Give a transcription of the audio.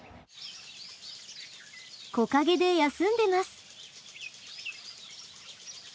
木陰で休んでます。